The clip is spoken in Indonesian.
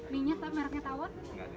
minyak tawar mereknya tawar